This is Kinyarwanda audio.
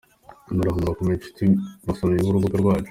Muraho murakomeye nshuti basomyi b’urubuga rwacu!